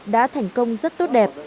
đã thành công rất tốt đẹp